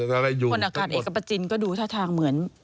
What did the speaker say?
ผลอากาศเอกประจินก็ดูท่าทางเหมือน